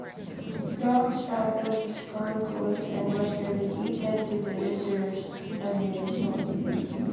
Dong struggled to score goals and was relegated to the reserves as a result.